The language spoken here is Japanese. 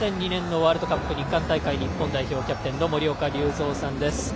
ワールドカップ日韓大会、日本代表の森岡隆三さんです。